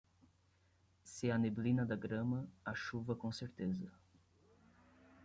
Se a neblina da grama, a chuva com certeza.